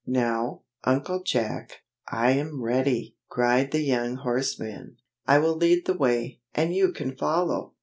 "Now, Uncle Jack, I am ready!" cried the young horseman. "I will lead the way, and you can follow!"